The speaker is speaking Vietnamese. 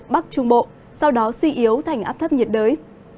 bắc trung bộ sau đó suy yếu thành áp thấp nhiệt đới